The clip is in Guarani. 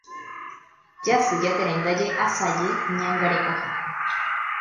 Jasy Jatere ndaje asaje ñangarekoha.